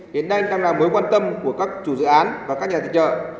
đến nay đang là mối quan tâm của các chủ dự án và các nhà tài trợ